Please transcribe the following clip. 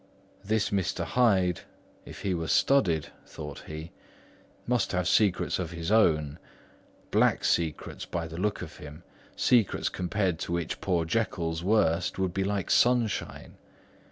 "This Master Hyde, if he were studied," thought he, "must have secrets of his own; black secrets, by the look of him; secrets compared to which poor Jekyll's worst would be like sunshine.